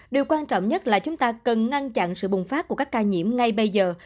điều quan trọng nhất là chúng ta cần ngăn chặn sự bùng phát của các ca nhiễm ngay bây giờ